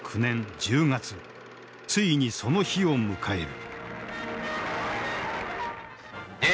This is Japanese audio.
ついにその日を迎える。